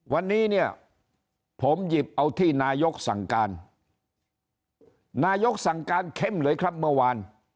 วันนี้เนี่ยผมหยิบเอาที่นายกสั่งการนายกสั่งการเข้มเลยครับเมื่อวาน